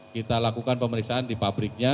kita lakukan pemeriksaan di pabriknya